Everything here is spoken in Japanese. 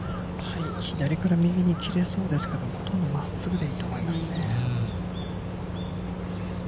左から右に切れそうですけれども、ほとんどまっすぐでいいと思いますね。